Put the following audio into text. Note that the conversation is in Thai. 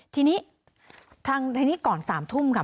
ทีนี้ก่อนสามทุ่มค่ะ